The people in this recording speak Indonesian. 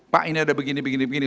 pak ini ada begini begini